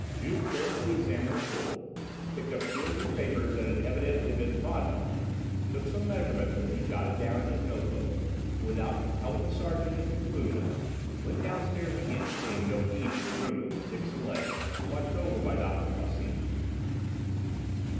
Juve carefully examined the floor, picked up two or three papers that had evidently been trodden on, took some measurements which he jotted down in his note book, and, without telling the sergeant his conclusions, went downstairs again, paying no heed to the next room in which Dixon lay, watched over by Doctor Plassin.